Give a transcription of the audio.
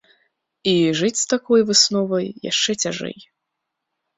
І жыць з такой высновай яшчэ цяжэй.